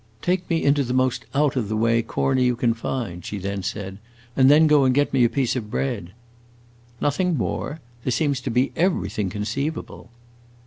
"Take me into the most out of the way corner you can find," she then said, "and then go and get me a piece of bread." "Nothing more? There seems to be everything conceivable."